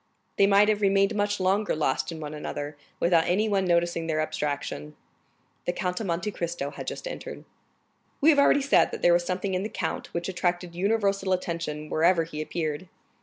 They might have remained much longer lost in one another, without anyone noticing their abstraction. The Count of Monte Cristo had just entered. We have already said that there was something in the count which attracted universal attention wherever he appeared.